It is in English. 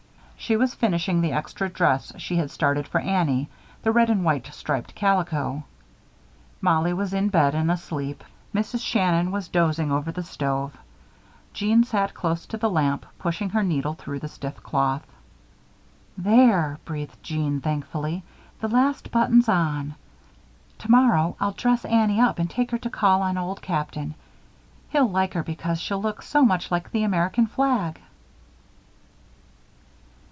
She was finishing the extra dress she had started for Annie, the red and white striped calico. Mollie was in bed and asleep, Mrs. Shannon was dozing over the stove, Jeanne sat close to the lamp, pushing her needle through the stiff cloth. "There!" breathed Jeanne, thankfully. "The last button's on. Tomorrow I'll dress Annie up and take her to call on Old Captain. He'll like her because she'll look so much like the American flag."